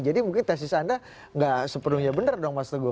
jadi mungkin tesis anda enggak sepenuhnya benar dong mas teguh